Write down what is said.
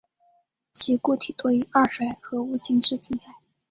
其固体多以二水合物形式存在。